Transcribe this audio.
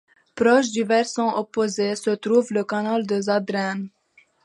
Proche du versant opposé, se trouve le canal des Ardennes.